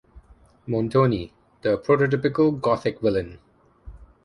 Montoni: The prototypical Gothic villain.